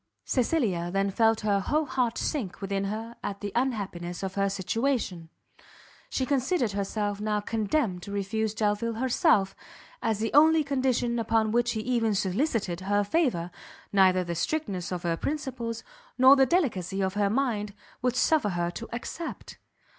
Cecilia then felt her whole heart sink within her at the unhappiness of her situation. She considered herself now condemned to refuse Delvile herself, as the only condition upon which he even solicited her favour, neither the strictness of her principles, nor the delicacy of her mind, would suffer her to accept.